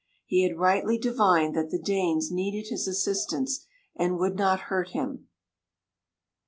He had rightly divined that the Danes needed his assistance, and would not hurt him.